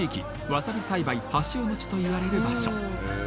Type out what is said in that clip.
わさび栽培発祥の地といわれる場所